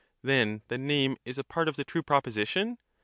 Then the name is a part of the true proposition?